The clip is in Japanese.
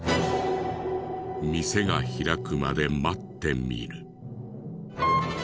店が開くまで待ってみる。